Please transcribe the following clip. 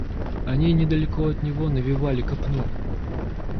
Они недалеко от него навивали копну.